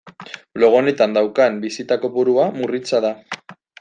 Blog honetan daukadan bisita kopurua murritza da.